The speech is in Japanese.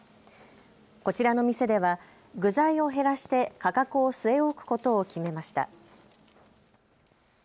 こちらの店では具材を減らして価格を据え置くことを決めました。